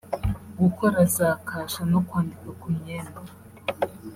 gukora za kasha no kwandika ku myenda